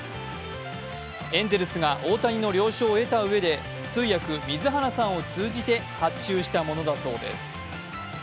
エンゼルスが大谷の了承を得たうえで通訳・水原さんを通じて発注したものだそうです。